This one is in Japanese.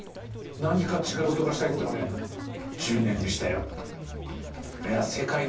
何か違うことがしたいと思ったのがね１０年でしたよ。